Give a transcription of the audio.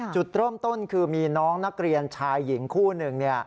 จุดเริ่มต้นคือมีน้องนักเรียนชายหญิงคู่หนึ่ง